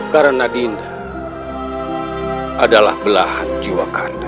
karena dinda adalah belahan jiwa kak kanda